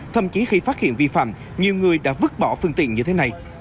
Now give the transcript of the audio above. thậm chí khi phát hiện vi phạm nhiều người đã vứt bỏ phương tiện như thế này